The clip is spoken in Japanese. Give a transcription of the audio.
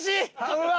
うわ！